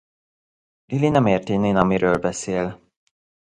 Lily nem érti Nina miről beszél.